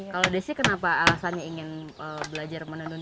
kalau desi kenapa alasannya ingin belajar menenun